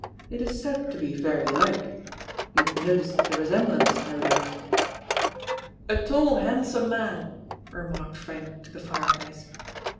It is said to be very like. You'd noticed the resemblance, no doubt?" "A tall, handsome man," remarked Frank to the fireplace.